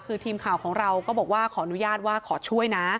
คือทีมข่าวของเราก็บอกว่าขออนุญาตว่าขอช่วยนะ